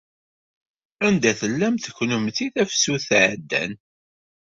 Anda tellamt kennemti tafsut iɛeddan?